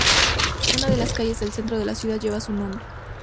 Una de las calles del centro de la ciudad lleva su nombre.